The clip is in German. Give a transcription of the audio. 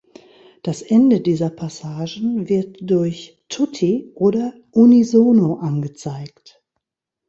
Das Ende dieser Passagen wird durch "tutti" oder "unisono" angezeigt.